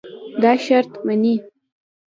دا شرط منې.